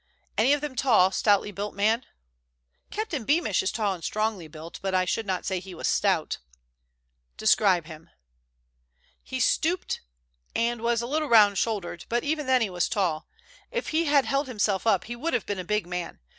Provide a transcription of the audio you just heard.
"Any of them a tall, stoutly built man?" "Captain Beamish is tall and strongly built, but I should not say he was stout." "Describe him." "He stooped and was a little round shouldered, but even then he was tall. If he had held himself up he would have been a big man.